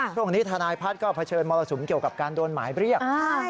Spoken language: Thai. ทนายพัฒน์ก็เผชิญมรสุมเกี่ยวกับการโดนหมายเรียก